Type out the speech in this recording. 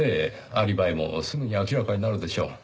アリバイもすぐに明らかになるでしょう。